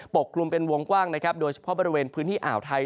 กลุ่มเป็นวงกว้างนะครับโดยเฉพาะบริเวณพื้นที่อ่าวไทย